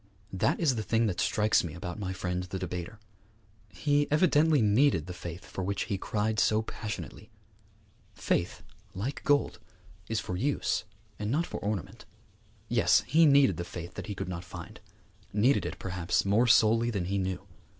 That is the thing that strikes me about my friend the debater. He evidently needed the faith for which he cried so passionately. Faith, like gold, is for use and not for ornament. Yes, he needed the faith that he could not find; needed it, perhaps, more sorely than he knew.